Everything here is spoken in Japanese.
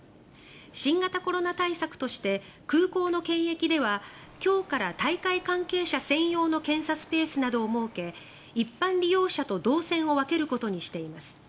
新型コロナ対策として空港の検疫では今日から大会関係者専用の検査スペースなどを設け一般利用者と動線を分けることにしています。